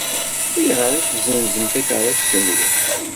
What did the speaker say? Ayɣer i tezzenzem takeṛṛust-nwen?